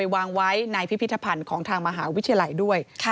วางไว้ในพิพิธภัณฑ์ของทางมหาวิทยาลัยด้วย